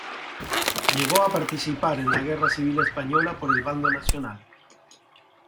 Llegó a participar en la Guerra Civil Española por el bando nacional.